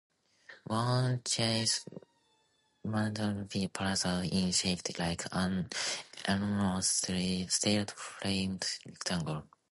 One Chase Manhattan Plaza is shaped like "an enormous steel-framed rectangle".